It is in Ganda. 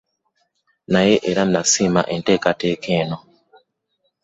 Naye era n'asiima enteekateeka eno.